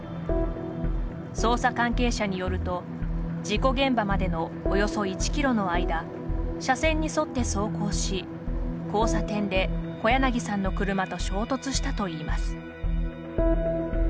捜査関係者によると事故現場までのおよそ１キロの間車線に沿って走行し交差点で小柳さんの車と衝突したといいます。